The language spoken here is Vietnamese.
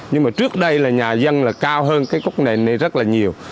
nhưng mà trước đây là nhà dân là cao hơn cái cúc nền này rất là nhiều